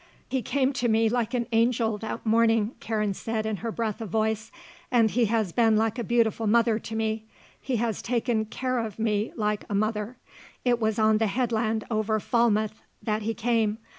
"He came to me like an angel that morning," Karen said in her breath of voice; "and he has been like a beautiful mother to me; he has taken care of me like a mother. It was on the headland over Falmouth that he came.